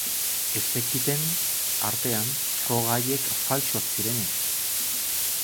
Ez zekiten, artean, froga haiek faltsuak zirenik.